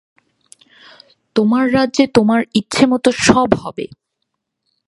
তোমার রাজ্যে তোমার ইচ্ছেমত সব হবে!